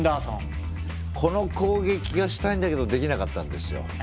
この攻撃がしたいんだけどできなかったんですよ。